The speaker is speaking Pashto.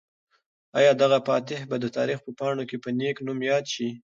آیا دغه فاتح به د تاریخ په پاڼو کې په نېک نوم یاد شي؟